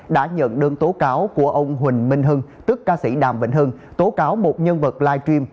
đã nhận đơn tố cáo của ông huỳnh minh hưng tức ca sĩ đàm vĩnh hưng tố cáo một nhân vật live stream